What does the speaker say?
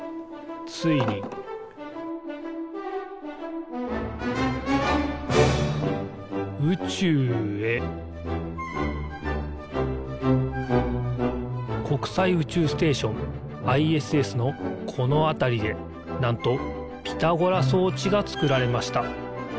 ついに宇宙へ国際宇宙ステーションＩＳＳのこのあたりでなんとピタゴラそうちがつくられました。